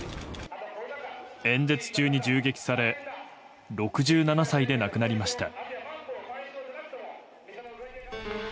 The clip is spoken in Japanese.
演説中に銃撃され６７歳で亡くなりました。